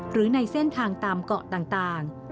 หรือในเส้นทางตามเกาะต่าง